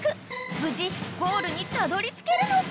無事ゴールにたどりつけるのか］